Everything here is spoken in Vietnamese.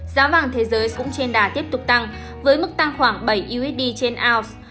giá vàng thế giới cũng trên đà tiếp tục tăng với mức tăng khoảng bảy usd trên ounce